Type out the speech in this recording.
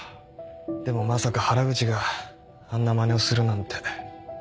でもまさか原口があんな真似をするなんて。